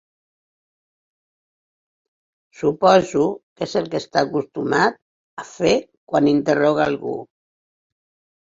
Suposo que és el que està acostumat a fer quan interroga algú.